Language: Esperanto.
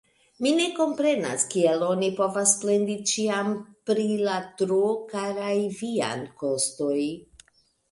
Mi ne komprenas, kiel oni povas plendi ĉiam pri la tro karaj viandokostoj!